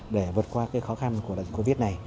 để vượt qua cái khó khăn của covid này